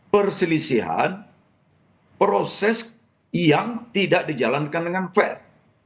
perselisihan proses yang tidak dijalankan dengan fair